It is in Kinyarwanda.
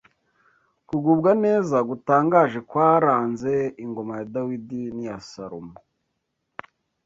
kugubwa neza gutangaje kwaranze ingoma ya Dawidi n’iya Salomo.